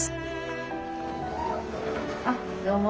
あどうも。